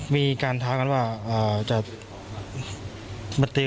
มีการท้ายกันว่าจะ